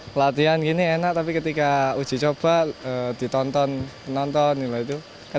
tergabung dengan tim tim timnas sepak bola amputasi indonesia